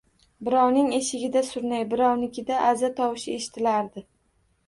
Birovning eshigida surnay, birovnikida aza tovushi eshitilardi...